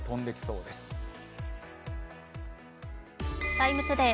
「ＴＩＭＥ，ＴＯＤＡＹ」